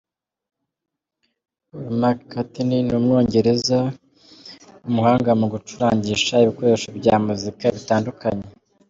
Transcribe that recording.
Paul McCartney: Ni umwongereza w’umuhanga mu gucurangisha ibikoresho bya muzika bitandukanye.